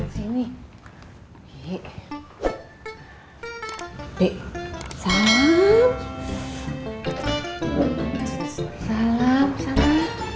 cium tangan mayu hp ini assez besar ya